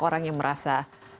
orang yang merasa